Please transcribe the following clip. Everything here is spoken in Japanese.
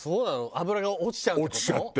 脂が落ちちゃうって事？